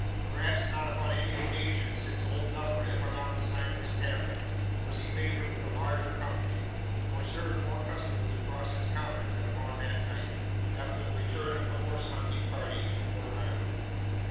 Perhaps not upon any occasion since "Old Duffer" had hung out the sign of his tavern, was he favoured with a larger company, or served more customers across his counter, than upon that night, after the return of the horse hunting party to Fort Inge.